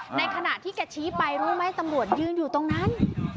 ในขณะที่แกชี้ไปรู้ไหมตำรวจยืนอยู่ตรงนั้น